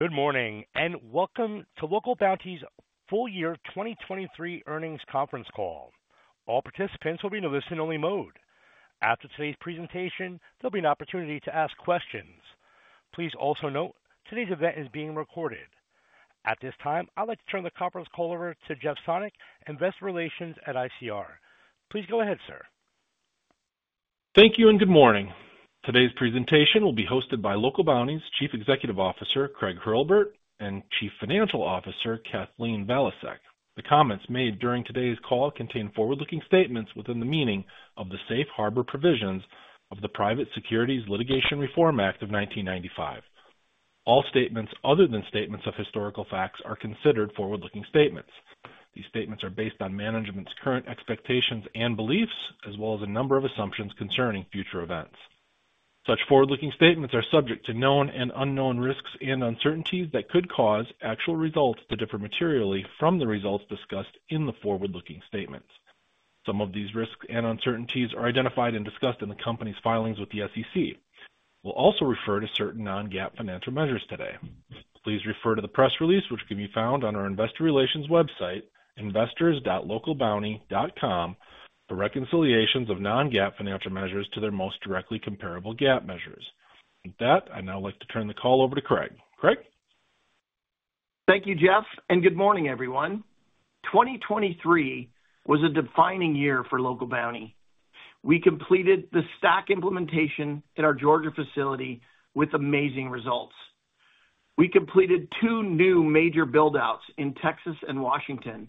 Good morning and welcome to Local Bounti's Full Year 2023 Earnings Conference Call. All participants will be in a listen-only mode. After today's presentation, there'll be an opportunity to ask questions. Please also note, today's event is being recorded. At this time, I'd like to turn the conference call over to Jeff Sonnek, Investor Relations at ICR. Please go ahead, sir. Thank you and good morning. Today's presentation will be hosted by Local Bounti's Chief Executive Officer Craig Hurlbert and Chief Financial Officer Kathleen Valiasek. The comments made during today's call contain forward-looking statements within the meaning of the Safe Harbor provisions of the Private Securities Litigation Reform Act of 1995. All statements other than statements of historical facts are considered forward-looking statements. These statements are based on management's current expectations and beliefs, as well as a number of assumptions concerning future events. Such forward-looking statements are subject to known and unknown risks and uncertainties that could cause actual results to differ materially from the results discussed in the forward-looking statements. Some of these risks and uncertainties are identified and discussed in the company's filings with the SEC. We'll also refer to certain non-GAAP financial measures today. Please refer to the press release, which can be found on our Investor Relations website, investors.localbounti.com, for reconciliations of non-GAAP financial measures to their most directly comparable GAAP measures. With that, I now like to turn the call over to Craig. Craig? Thank you, Jeff, and good morning, everyone. 2023 was a defining year for Local Bounti. We completed the Stack implementation in our Georgia facility with amazing results. We completed two new major buildouts in Texas and Washington.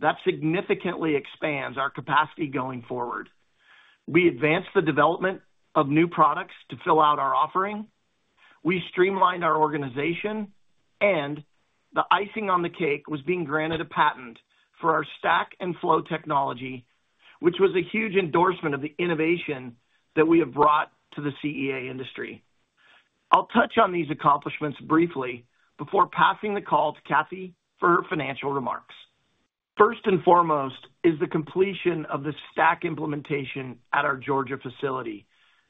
That significantly expands our capacity going forward. We advanced the development of new products to fill out our offering. We streamlined our organization. And the icing on the cake was being granted a patent for our Stack & Flow technology, which was a huge endorsement of the innovation that we have brought to the CEA industry. I'll touch on these accomplishments briefly before passing the call to Kathy for her financial remarks. First and foremost is the completion of the Stack implementation at our Georgia facility,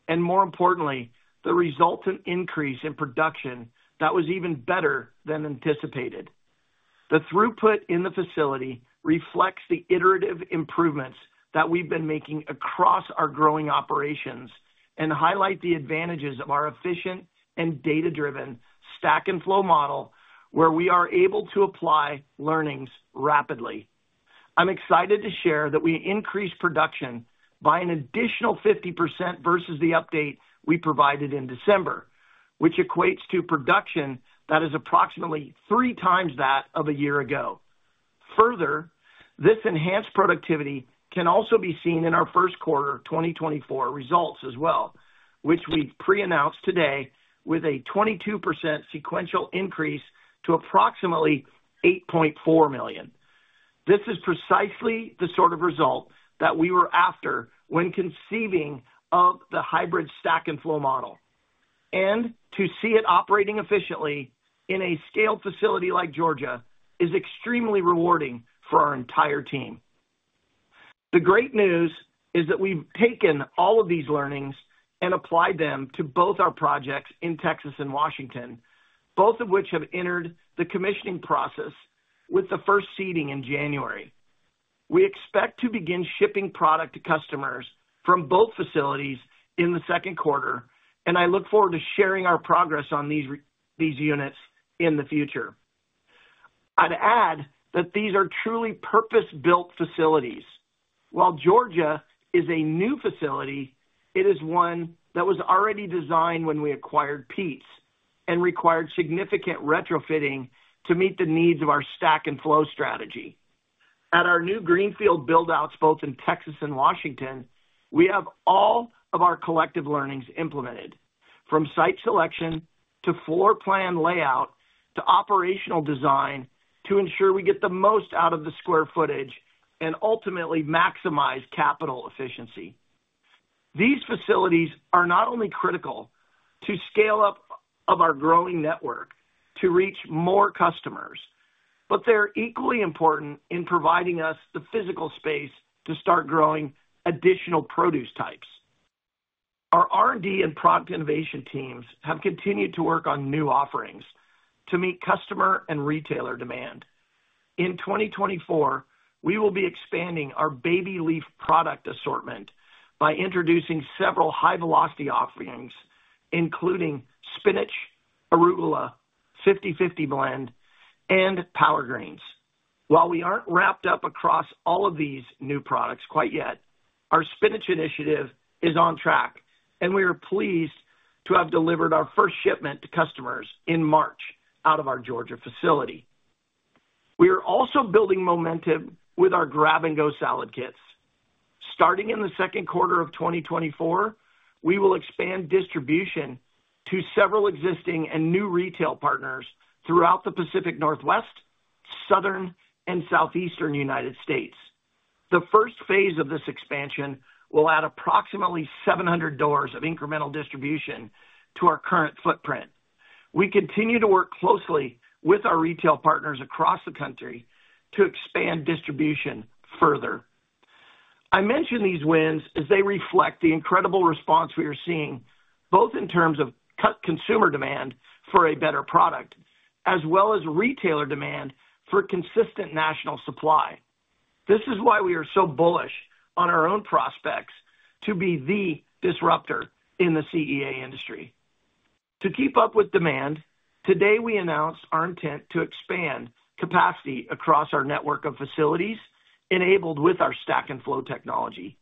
and more importantly, the resultant increase in production that was even better than anticipated. The throughput in the facility reflects the iterative improvements that we've been making across our growing operations and highlight the advantages of our efficient and data-driven Stack & Flow model, where we are able to apply learnings rapidly. I'm excited to share that we increased production by an additional 50% versus the update we provided in December, which equates to production that is approximately three times that of a year ago. Further, this enhanced productivity can also be seen in our first quarter 2024 results as well, which we've pre-announced today with a 22% sequential increase to approximately 8.4 million. This is precisely the sort of result that we were after when conceiving of the hybrid Stack & Flow model. And to see it operating efficiently in a scaled facility like Georgia is extremely rewarding for our entire team. The great news is that we've taken all of these learnings and applied them to both our projects in Texas and Washington, both of which have entered the commissioning process with the first seeding in January. We expect to begin shipping product to customers from both facilities in the second quarter, and I look forward to sharing our progress on these units in the future. I'd add that these are truly purpose-built facilities. While Georgia is a new facility, it is one that was already designed when we acquired Pete's and required significant retrofitting to meet the needs of our Stack & Flow strategy. At our new greenfield buildouts, both in Texas and Washington, we have all of our collective learnings implemented, from site selection to floor plan layout to operational design, to ensure we get the most out of the square footage and ultimately maximize capital efficiency. These facilities are not only critical to scale up of our growing network to reach more customers, but they're equally important in providing us the physical space to start growing additional produce types. Our R&D and product innovation teams have continued to work on new offerings to meet customer and retailer demand. In 2024, we will be expanding our baby leaf product assortment by introducing several high-velocity offerings, including spinach, arugula, 50/50 Blend, and Power Greens. While we aren't wrapped up across all of these new products quite yet, our spinach initiative is on track, and we are pleased to have delivered our first shipment to customers in March out of our Georgia facility. We are also building momentum with our grab-and-go salad kits. Starting in the second quarter of 2024, we will expand distribution to several existing and new retail partners throughout the Pacific Northwest, Southern, and Southeastern United States. The first phase of this expansion will add approximately 700 doors of incremental distribution to our current footprint. We continue to work closely with our retail partners across the country to expand distribution further. I mention these wins as they reflect the incredible response we are seeing, both in terms of consumer demand for a better product as well as retailer demand for consistent national supply. This is why we are so bullish on our own prospects to be the disruptor in the CEA industry. To keep up with demand, today we announced our intent to expand capacity across our network of facilities enabled with our Stack & Flow technology.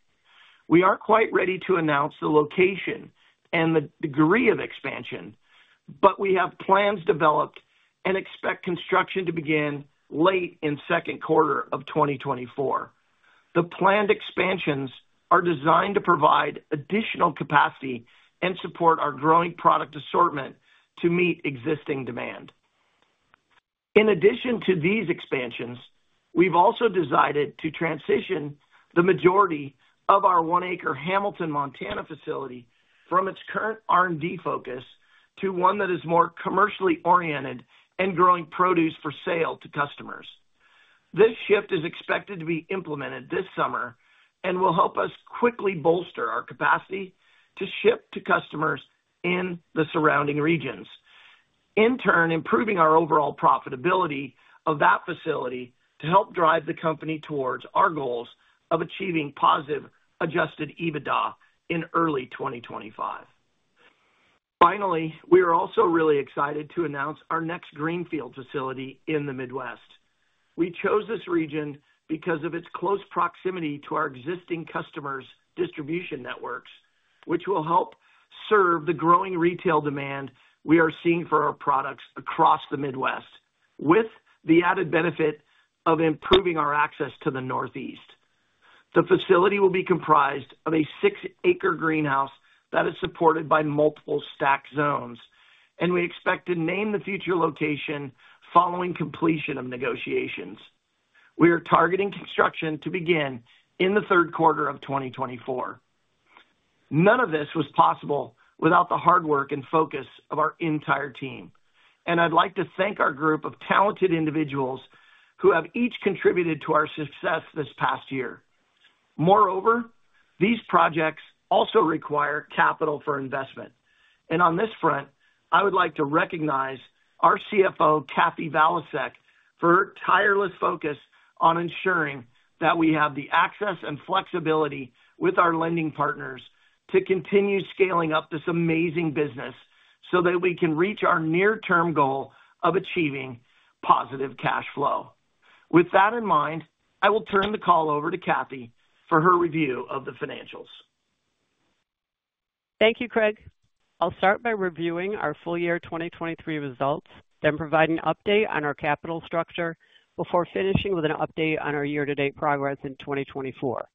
We aren't quite ready to announce the location and the degree of expansion, but we have plans developed and expect construction to begin late in second quarter of 2024. The planned expansions are designed to provide additional capacity and support our growing product assortment to meet existing demand. In addition to these expansions, we've also decided to transition the majority of our 1-acre Hamilton, Montana facility from its current R&D focus to one that is more commercially oriented and growing produce for sale to customers. This shift is expected to be implemented this summer and will help us quickly bolster our capacity to ship to customers in the surrounding regions, in turn improving our overall profitability of that facility to help drive the company towards our goals of achieving positive Adjusted EBITDA in early 2025. Finally, we are also really excited to announce our next greenfield facility in the Midwest. We chose this region because of its close proximity to our existing customers' distribution networks, which will help serve the growing retail demand we are seeing for our products across the Midwest, with the added benefit of improving our access to the Northeast. The facility will be comprised of a 6-acre greenhouse that is supported by multiple stack zones, and we expect to name the future location following completion of negotiations. We are targeting construction to begin in the third quarter of 2024. None of this was possible without the hard work and focus of our entire team, and I'd like to thank our group of talented individuals who have each contributed to our success this past year. Moreover, these projects also require capital for investment. On this front, I would like to recognize our CFO, Kathy Valiasek, for her tireless focus on ensuring that we have the access and flexibility with our lending partners to continue scaling up this amazing business so that we can reach our near-term goal of achieving positive cash flow. With that in mind, I will turn the call over to Kathy for her review of the financials. Thank you, Craig. I'll start by reviewing our full year 2023 results, then provide an update on our capital structure before finishing with an update on our year-to-date progress in 2024.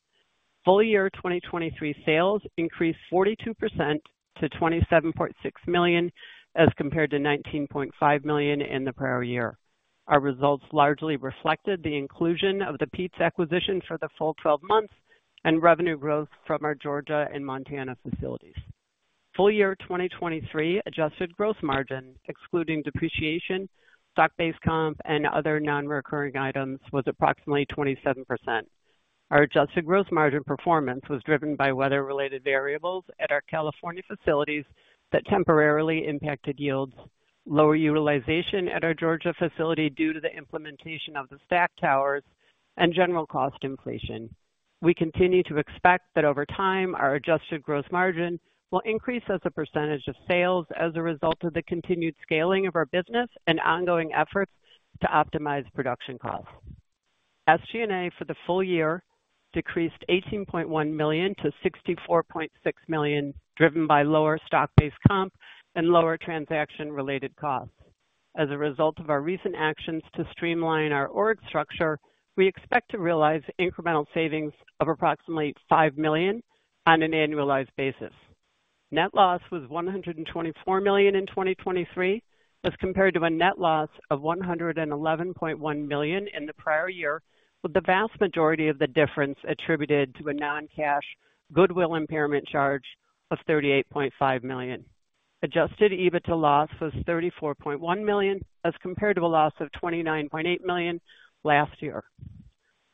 Full year 2023 sales increased 42% to $27.6 million as compared to $19.5 million in the prior year. Our results largely reflected the inclusion of the Pete's acquisition for the full 12 months and revenue growth from our Georgia and Montana facilities. Full year 2023 adjusted gross margin, excluding depreciation, stock-based comp, and other non-recurring items, was approximately 27%. Our adjusted gross margin performance was driven by weather-related variables at our California facilities that temporarily impacted yields, lower utilization at our Georgia facility due to the implementation of the stack towers, and general cost inflation. We continue to expect that over time, our adjusted gross margin will increase as a percentage of sales as a result of the continued scaling of our business and ongoing efforts to optimize production costs. SG&A for the full year decreased $18.1 million to $64.6 million, driven by lower stock-based comp and lower transaction-related costs. As a result of our recent actions to streamline our org structure, we expect to realize incremental savings of approximately $5 million on an annualized basis. Net loss was $124 million in 2023 as compared to a net loss of $111.1 million in the prior year, with the vast majority of the difference attributed to a non-cash goodwill impairment charge of $38.5 million. Adjusted EBITDA loss was $34.1 million as compared to a loss of $29.8 million last year.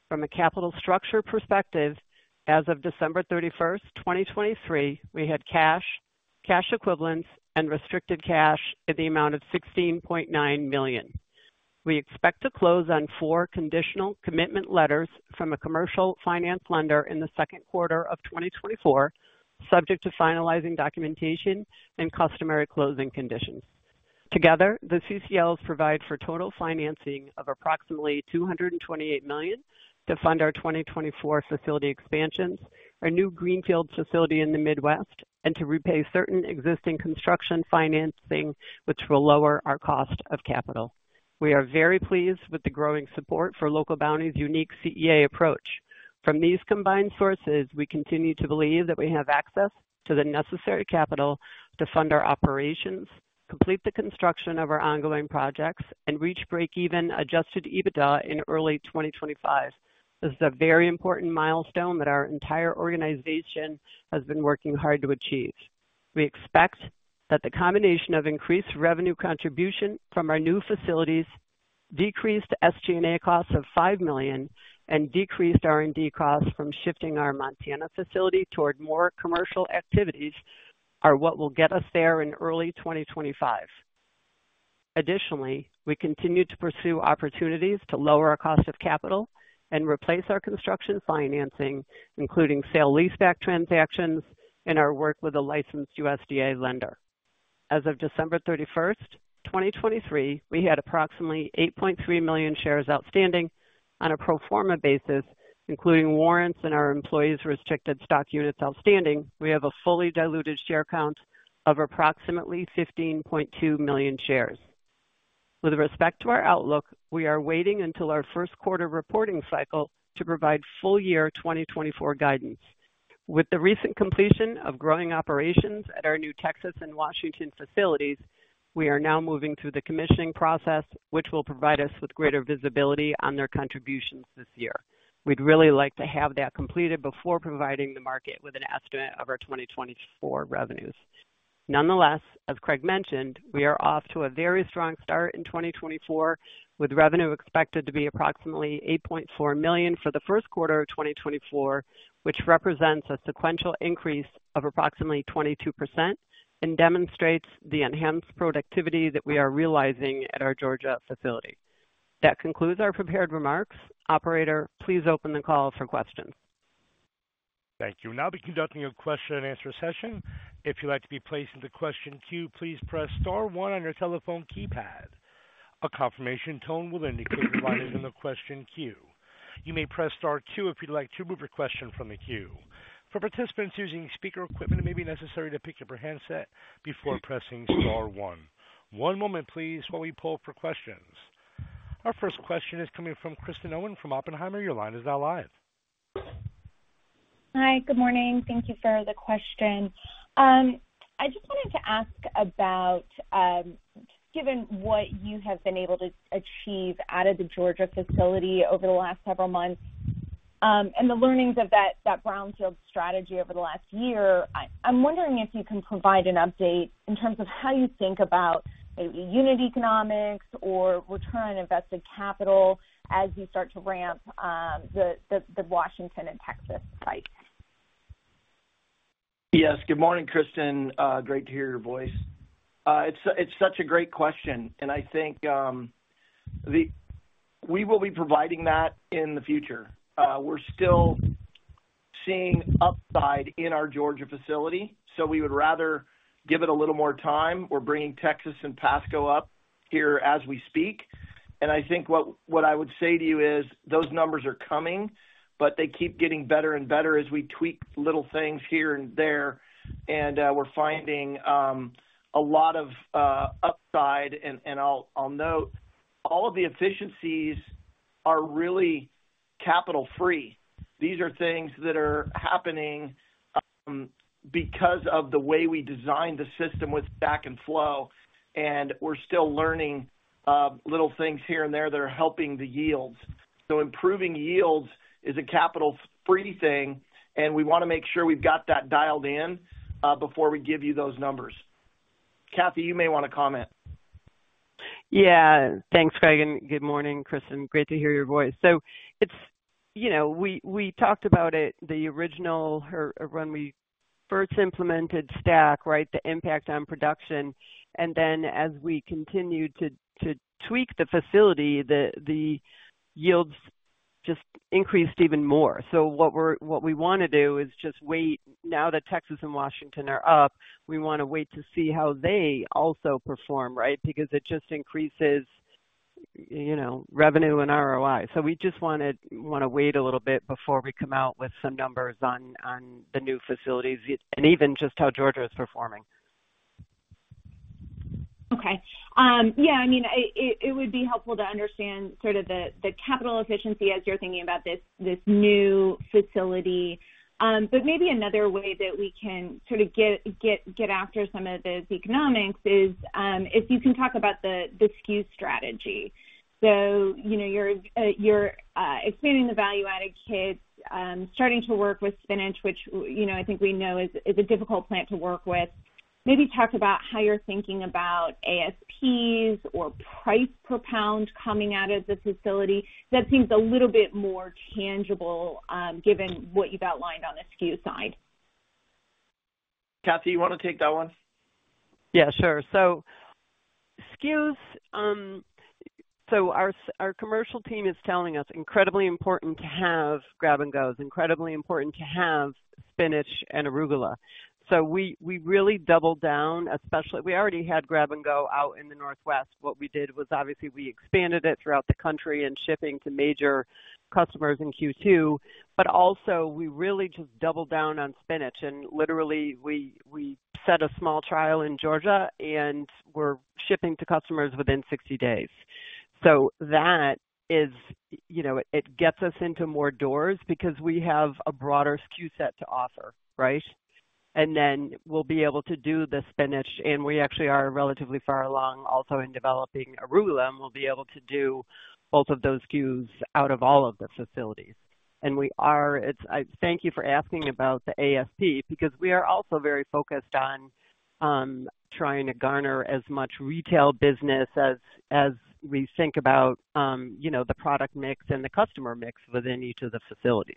From a capital structure perspective, as of December 31, 2023, we had cash, cash equivalents, and restricted cash at the amount of $16.9 million. We expect to close on four conditional commitment letters from a commercial finance lender in the second quarter of 2024, subject to finalizing documentation and customary closing conditions. Together, the CCLs provide for total financing of approximately $228 million to fund our 2024 facility expansions, our new greenfield facility in the Midwest, and to repay certain existing construction financing, which will lower our cost of capital. We are very pleased with the growing support for Local Bounti's unique CEA approach. From these combined sources, we continue to believe that we have access to the necessary capital to fund our operations, complete the construction of our ongoing projects, and reach break-even Adjusted EBITDA in early 2025. This is a very important milestone that our entire organization has been working hard to achieve. We expect that the combination of increased revenue contribution from our new facilities, decreased SG&A costs of $5 million, and decreased R&D costs from shifting our Montana facility toward more commercial activities are what will get us there in early 2025. Additionally, we continue to pursue opportunities to lower our cost of capital and replace our construction financing, including sale leaseback transactions and our work with a licensed USDA lender. As of December 31st, 2023, we had approximately 8.3 million shares outstanding on a pro forma basis, including warrants and our employees' restricted stock units outstanding. We have a fully diluted share count of approximately 15.2 million shares. With respect to our outlook, we are waiting until our first quarter reporting cycle to provide full year 2024 guidance. With the recent completion of growing operations at our new Texas and Washington facilities, we are now moving through the commissioning process, which will provide us with greater visibility on their contributions this year. We'd really like to have that completed before providing the market with an estimate of our 2024 revenues. Nonetheless, as Craig mentioned, we are off to a very strong start in 2024, with revenue expected to be approximately $8.4 million for the first quarter of 2024, which represents a sequential increase of approximately 22% and demonstrates the enhanced productivity that we are realizing at our Georgia facility. That concludes our prepared remarks. Operator, please open the call for questions. Thank you. We'll now be conducting a question-and-answer session. If you'd like to be placed in the question queue, please press star one on your telephone keypad. A confirmation tone will indicate your line is in the question queue. You may press star two if you'd like to move your question from the queue. For participants using speaker equipment, it may be necessary to pick up your handset before pressing star one. One moment, please, while we pull up for questions. Our first question is coming from Kristen Owen from Oppenheimer. Your line is now live. Hi. Good morning. Thank you for the question. I just wanted to ask about, given what you have been able to achieve out of the Georgia facility over the last several months and the learnings of that brownfield strategy over the last year, I'm wondering if you can provide an update in terms of how you think about maybe unit economics or return on invested capital as you start to ramp the Washington and Texas sites? Yes. Good morning, Kristen. Great to hear your voice. It's such a great question, and I think we will be providing that in the future. We're still seeing upside in our Georgia facility, so we would rather give it a little more time. We're bringing Texas and Pasco up here as we speak. And I think what I would say to you is those numbers are coming, but they keep getting better and better as we tweak little things here and there, and we're finding a lot of upside. And I'll note all of the efficiencies are really capital-free. These are things that are happening because of the way we designed the system with Stack & Flow, and we're still learning little things here and there that are helping the yields. Improving yields is a capital-free thing, and we want to make sure we've got that dialed in before we give you those numbers. Kathy, you may want to comment. Yeah. Thanks, Craig. And good morning, Kristen. Great to hear your voice. So we talked about it, the original, when we first implemented Stack, right, the impact on production. And then as we continued to tweak the facility, the yields just increased even more. So what we want to do is just wait. Now that Texas and Washington are up, we want to wait to see how they also perform, right, because it just increases revenue and ROI. So we just want to wait a little bit before we come out with some numbers on the new facilities and even just how Georgia is performing. Okay. Yeah. I mean, it would be helpful to understand sort of the capital efficiency as you're thinking about this new facility. But maybe another way that we can sort of get after some of the economics is if you can talk about the SKU strategy. So you're expanding the value-added kits, starting to work with spinach, which I think we know is a difficult plant to work with. Maybe talk about how you're thinking about ASPs or price per pound coming out of the facility. That seems a little bit more tangible given what you've outlined on the SKU side. Kathy, you want to take that one? Yeah. Sure. So SKUs, so our commercial team is telling us it's incredibly important to have grab-and-go, incredibly important to have spinach and arugula. So we really doubled down, especially we already had grab-and-go out in the Northwest. What we did was, obviously, we expanded it throughout the country and shipping to major customers in Q2. But also, we really just doubled down on spinach. And literally, we set a small trial in Georgia, and we're shipping to customers within 60 days. So it gets us into more doors because we have a broader SKU set to offer, right? And then we'll be able to do the spinach. And we actually are relatively far along also in developing arugula. And we'll be able to do both of those SKUs out of all of the facilities. Thank you for asking about the ASP because we are also very focused on trying to garner as much retail business as we think about the product mix and the customer mix within each of the facilities.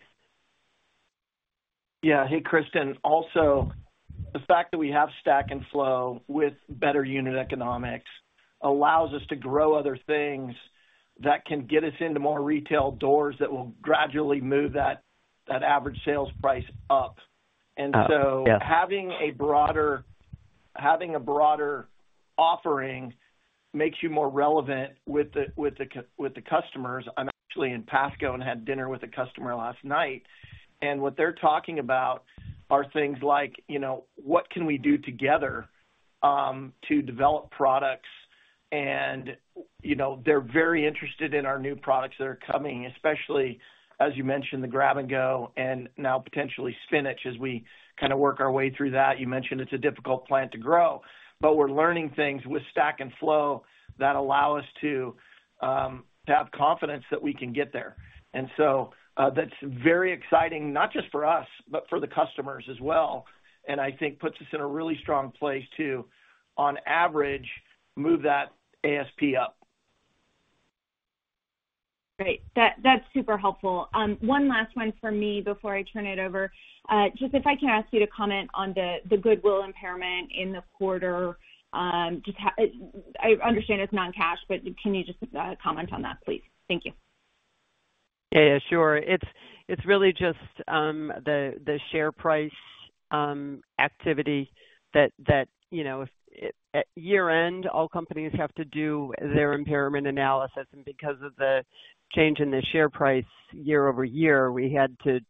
Yeah. Hey, Kristen. Also, the fact that we have Stack & Flow with better unit economics allows us to grow other things that can get us into more retail doors that will gradually move that average sales price up. And so having a broader offering makes you more relevant with the customers. I'm actually in Pasco and had dinner with a customer last night. And what they're talking about are things like, "What can we do together to develop products?" And they're very interested in our new products that are coming, especially, as you mentioned, the grab-and-go and now potentially spinach as we kind of work our way through that. You mentioned it's a difficult plant to grow. But we're learning things with Stack & Flow that allow us to have confidence that we can get there. And so that's very exciting, not just for us, but for the customers as well, and I think puts us in a really strong place to, on average, move that ASP up. Great. That's super helpful. One last one for me before I turn it over. Just if I can ask you to comment on the goodwill impairment in the quarter. I understand it's non-cash, but can you just comment on that, please? Thank you. Yeah. Yeah. Sure. It's really just the share price activity that, year-end, all companies have to do their impairment analysis. And because of the change in the share price year-over-year, we had to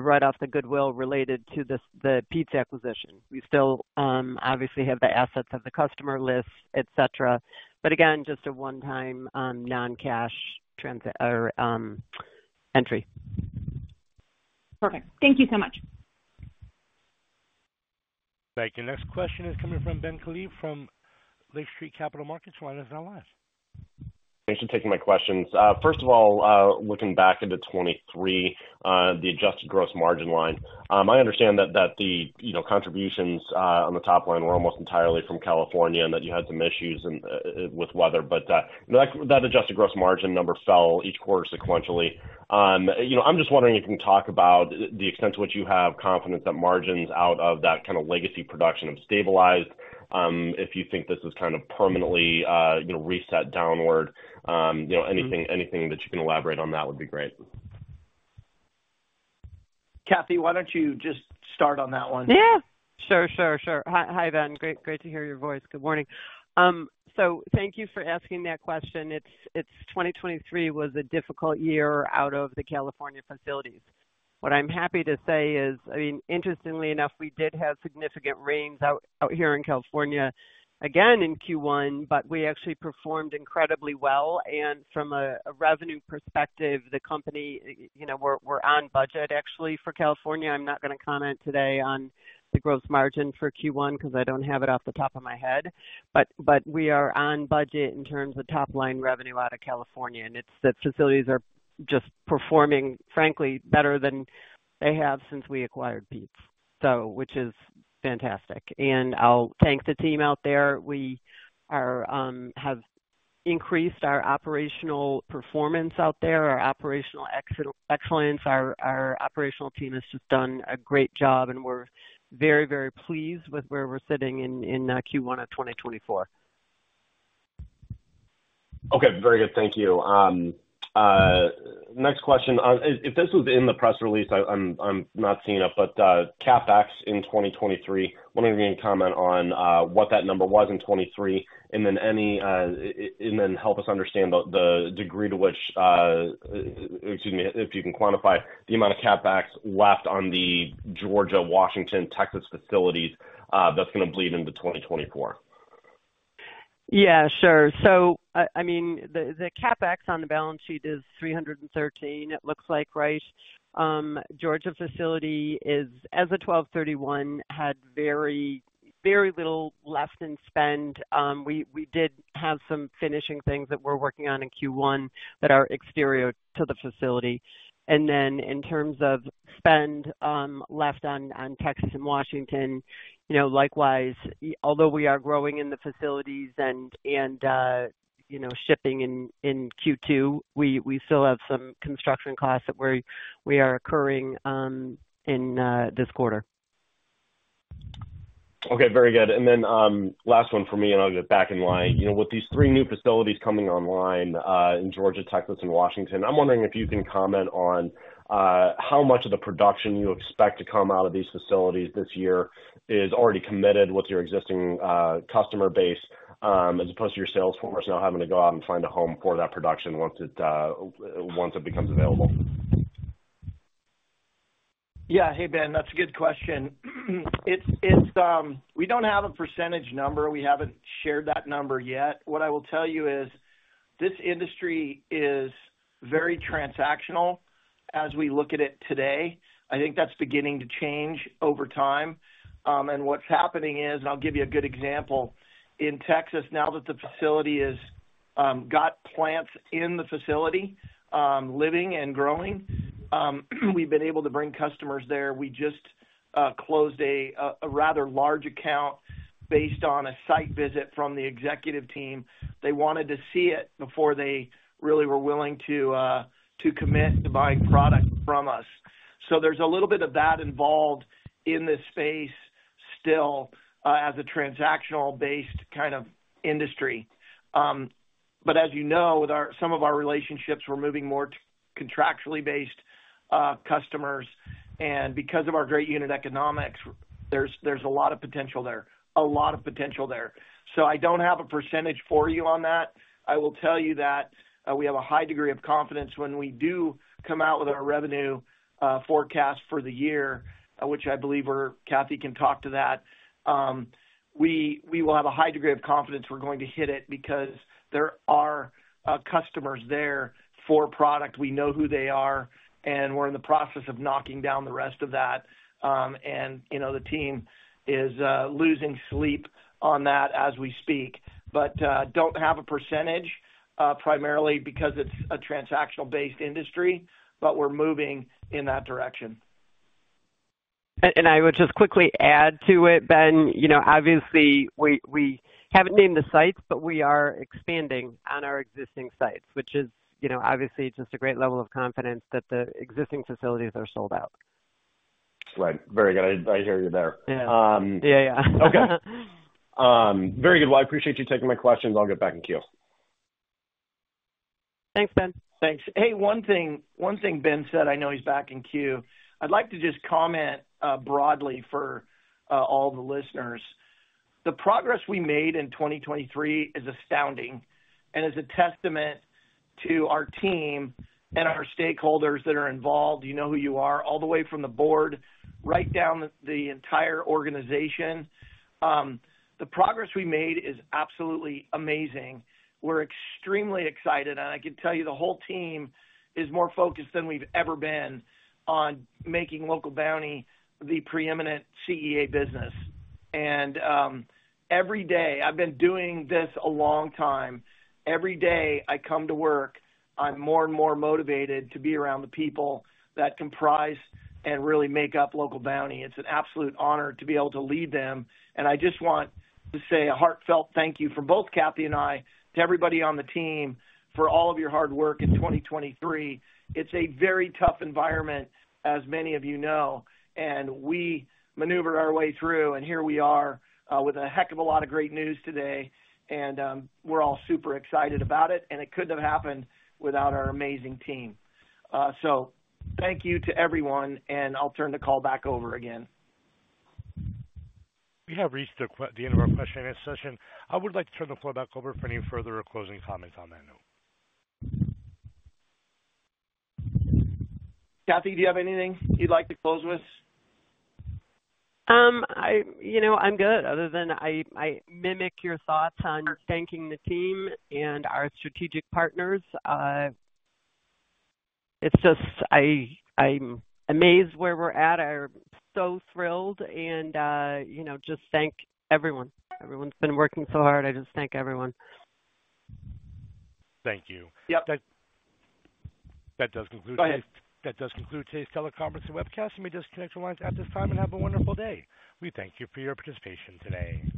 write off the goodwill related to the Pete's acquisition. We still, obviously, have the assets of the customer list, etc. But again, just a one-time non-cash entry. Perfect. Thank you so much. Thank you. Next question is coming from Ben Klieve from Lake Street Capital Markets. Your line is now live. Thanks for taking my questions. First of all, looking back into 2023, the Adjusted Gross Margin line, I understand that the contributions on the top line were almost entirely from California and that you had some issues with weather. But that Adjusted Gross Margin number fell each quarter sequentially. I'm just wondering if you can talk about the extent to which you have confidence that margins out of that kind of legacy production have stabilized, if you think this is kind of permanently reset downward. Anything that you can elaborate on that would be great. Kathy, why don't you just start on that one? Yeah. Sure. Hi, Ben. Great to hear your voice. Good morning. So thank you for asking that question. 2023 was a difficult year out of the California facilities. What I'm happy to say is, I mean, interestingly enough, we did have significant rains out here in California, again, in Q1, but we actually performed incredibly well. And from a revenue perspective, the company, we're on budget, actually, for California. I'm not going to comment today on the gross margin for Q1 because I don't have it off the top of my head. But we are on budget in terms of top-line revenue out of California. And the facilities are just performing, frankly, better than they have since we acquired Pete's, which is fantastic. And I'll thank the team out there. We have increased our operational performance out there, our operational excellence. Our operational team has just done a great job, and we're very, very pleased with where we're sitting in Q1 of 2024. Okay. Very good. Thank you. Next question. If this was in the press release, I'm not seeing it, but CapEx in 2023, wondering if you can comment on what that number was in 2023 and then help us understand the degree to which, excuse me, if you can quantify the amount of CapEx left on the Georgia, Washington, Texas facilities that's going to bleed into 2024. Yeah. Sure. So, I mean, the CapEx on the balance sheet is $313, it looks like, right? Georgia facility is, as of 12/31, had very, very little left in spend. We did have some finishing things that we're working on in Q1 that are exterior to the facility. And then in terms of spend left on Texas and Washington, likewise, although we are growing in the facilities and shipping in Q2, we still have some construction costs that we are incurring in this quarter. Okay. Very good. And then last one for me, and I'll get back in line. With these three new facilities coming online in Georgia, Texas, and Washington, I'm wondering if you can comment on how much of the production you expect to come out of these facilities this year is already committed with your existing customer base as opposed to your sales force now having to go out and find a home for that production once it becomes available. Yeah. Hey, Ben. That's a good question. We don't have a percentage number. We haven't shared that number yet. What I will tell you is this industry is very transactional as we look at it today. I think that's beginning to change over time. And what's happening is, and I'll give you a good example, in Texas, now that the facility has got plants in the facility living and growing, we've been able to bring customers there. We just closed a rather large account based on a site visit from the executive team. They wanted to see it before they really were willing to commit to buying product from us. So there's a little bit of that involved in this space still as a transactional-based kind of industry. But as you know, some of our relationships, we're moving more to contractually-based customers. Because of our great unit economics, there's a lot of potential there, a lot of potential there. I don't have a percentage for you on that. I will tell you that we have a high degree of confidence when we do come out with our revenue forecast for the year, which I believe Kathy can talk to that. We will have a high degree of confidence we're going to hit it because there are customers there for product. We know who they are, and we're in the process of knocking down the rest of that. And the team is losing sleep on that as we speak. don't have a percentage, primarily because it's a transactional-based industry, but we're moving in that direction. I would just quickly add to it, Ben, obviously, we haven't named the sites, but we are expanding on our existing sites, which is, obviously, just a great level of confidence that the existing facilities are sold out. Right. Very good. I hear you there. Yeah. Okay. Very good. Well, I appreciate you taking my questions. I'll get back in queue. Thanks, Ben. Thanks. Hey, one thing Ben said. I know he's back in queue. I'd like to just comment broadly for all the listeners. The progress we made in 2023 is astounding and is a testament to our team and our stakeholders that are involved. You know who you are all the way from the board right down the entire organization. The progress we made is absolutely amazing. We're extremely excited. I can tell you the whole team is more focused than we've ever been on making Local Bounti the preeminent CEA business. Every day, I've been doing this a long time. Every day I come to work, I'm more and more motivated to be around the people that comprise and really make up Local Bounti. It's an absolute honor to be able to lead them. And I just want to say a heartfelt thank you from both Kathy and I to everybody on the team for all of your hard work in 2023. It's a very tough environment, as many of you know. And we maneuver our way through. And here we are with a heck of a lot of great news today. And we're all super excited about it. And it couldn't have happened without our amazing team. So thank you to everyone. And I'll turn the call back over again. We have reached the end of our question-and-answer session. I would like to turn the floor back over for any further or closing comments on that note. Kathy, do you have anything you'd like to close with? I'm good other than I mimic your thoughts on thanking the team and our strategic partners. It's just I'm amazed where we're at. I'm so thrilled. Just thank everyone. Everyone's been working so hard. I just thank everyone. Thank you. Yep. That does conclude today's teleconference and webcast. You may disconnect your lines at this time and have a wonderful day. We thank you for your participation today.